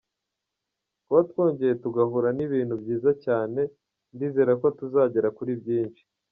Kuba twongeye tugahura ni ibintu byiza cyane ndizera ko tuzagera kuri byinshi”.